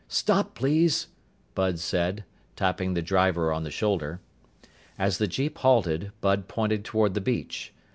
"Stop, please!" Bud said, tapping the driver on the shoulder. As the jeep halted, Bud pointed toward the beach.